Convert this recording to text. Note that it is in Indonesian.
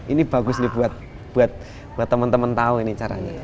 ini bagus nih buat teman teman tahu ini caranya